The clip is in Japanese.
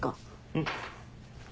うん。